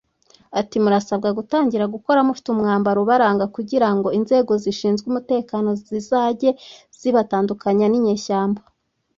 Ati “Murasabwa gutangira gukora mufite umwambaro ubaranga kugira ngo inzego zishinzwe umutekano zizajye zibatandukanya n’inyeshyamba